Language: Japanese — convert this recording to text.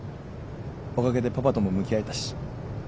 おかげでパパとも向き合えたし。